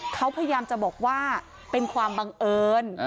เขาพยายามจะบอกว่าเป็นความบังเอิญ